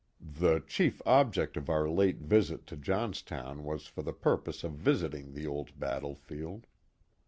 The chief object of our late visit to Johnstown was for the purpose of visiting the old battlefield.)